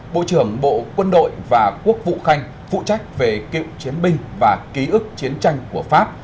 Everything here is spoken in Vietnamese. bộ trưởng bộ quân đội và quốc vụ khanh phụ trách về cựu chiến binh và ký ức chiến tranh của pháp